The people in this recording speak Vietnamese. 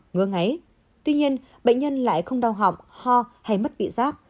ngứa ngáy tuy nhiên bệnh nhân lại không đau họng ho hay mất vị giác